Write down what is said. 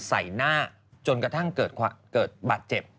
ใส่หน้าจนกระทั่งเกิดบาดเจ็บ